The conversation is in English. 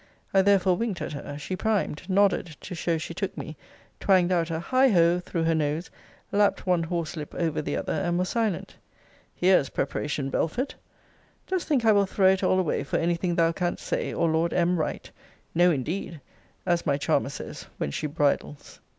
I therefore winked at her. She primed; nodded, to show she took me; twanged out a high ho through her nose, lapped one horse lip over the other, and was silent.' Here's preparation, Belford! Dost think I will throw it all away for any thing thou canst say, or Lord M. write? No, indeed as my charmer says, when she bridles.